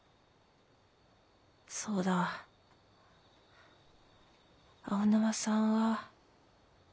そうだ青沼さんは？